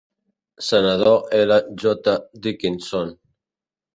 Senador L. J. Dickinson.